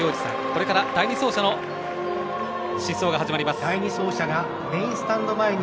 これから第２走者の疾走が始まります。